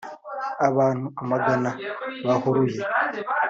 Abantu amagana bahuruye